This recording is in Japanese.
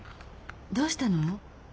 どうしたの？